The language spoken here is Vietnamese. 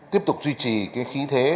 tiếp tục duy trì cái khí thế